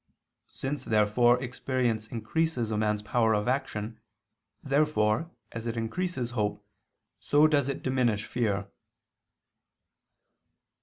Since, therefore, experience increases a man's power of action, therefore, as it increases hope, so does it diminish fear.